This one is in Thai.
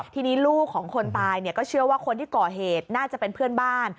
ทีนี้ลูกของคนตายก็เชื่อว่าคนที่ก่อเหตุน่าจะเป็นเพื่อนบ้าน